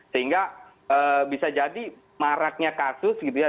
sehingga bisa jadi maraknya kasus gitu ya